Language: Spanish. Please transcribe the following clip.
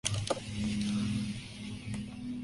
Este fue el primer nombre español que se dio al lago.